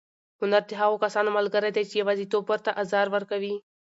هنر د هغو کسانو ملګری دی چې یوازېتوب ورته ازار ورکوي.